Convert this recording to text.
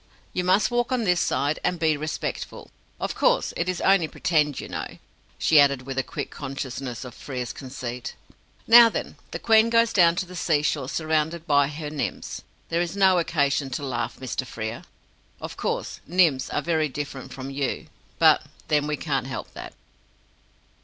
"You must walk on this side, and be respectful. Of course it is only Pretend, you know," she added, with a quick consciousness of Frere's conceit. "Now then, the Queen goes down to the Seashore surrounded by her Nymphs! There is no occasion to laugh, Mr. Frere. Of course, Nymphs are very different from you, but then we can't help that."